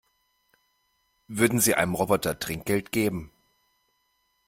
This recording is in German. Würden Sie einem Roboter Trinkgeld geben?